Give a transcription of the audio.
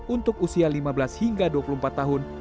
untuk usia lima belas hingga dua puluh empat tahun